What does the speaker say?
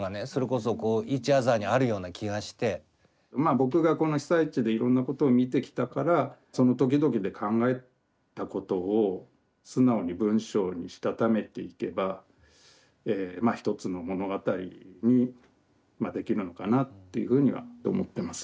僕がこの被災地でいろんなことを見てきたからその時々で考えたことを素直に文章にしたためていけばまあ一つの物語にできるのかなっていうふうには思ってます。